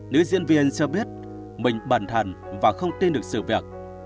nữ diễn viên cho biết mình bẩn thần và không tin được sự việc